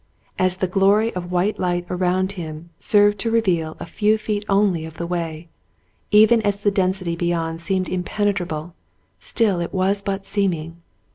As the glory of white light around him served to reveal a few feet only of the way, even as the density beyond seemed impenetrable, still it was but seeming.